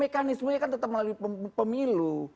mekanismenya kan tetap melalui pemilu